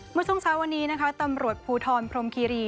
เมื่อช่วงเช้าวันนี้นะคะตำรวจภูทรพรมคีรี